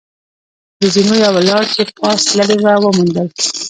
د زینو یوه لار چې پاس تللې وه، و موندل.